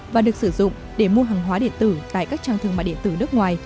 và được sử dụng để mua hàng hóa điện tử tại các trang thương mại điện tử nước ngoài